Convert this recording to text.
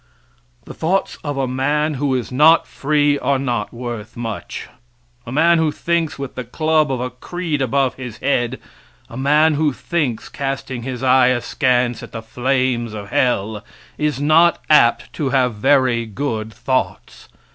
The thoughts of a man who is not free are not worth much. A man who thinks with the club of a creed above his head a man who thinks casting his eye askance at the flames of hell, is not apt to have very good thoughts.